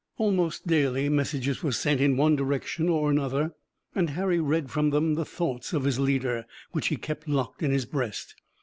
Almost daily messages were sent in one direction or another and Harry read from them the thoughts of his leader, which he kept locked in his breast.